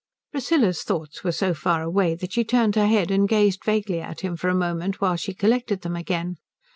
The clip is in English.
Priscilla's thoughts were so far away that she turned her head and gazed vaguely at him for a moment while she collected them again.